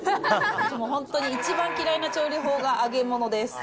本当に一番嫌いな調理法が揚げ物です。